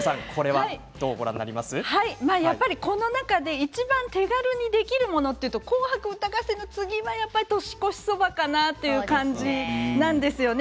この中で、いちばん手軽にできるものというと「紅白歌合戦」の次は年越しそばかなという感じですよね。